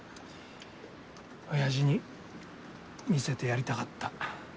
おやじに見せてやりたかった。